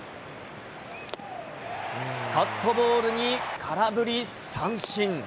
カットボールに空振り三振。